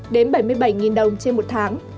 đến bảy mươi bảy đồng trên một tháng